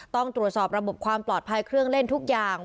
ต้องตรวจสอบระบบความปลอดภัยเครื่องเล่นทุกอย่าง